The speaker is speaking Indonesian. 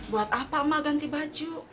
buat apa mak ganti baju